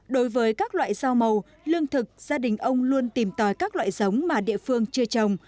đối với các loại rau màu lương thực gia đình ông luôn tìm tòi các loại giống mà địa phương chưa trồng